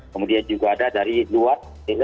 kemudian juga ada dari luar